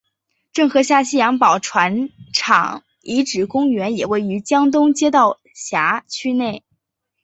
郑和下西洋宝船厂遗址公园也位于江东街道辖区内。